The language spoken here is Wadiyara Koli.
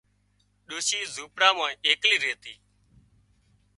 ڏوشي زونپڙا مان ايڪلي ريتي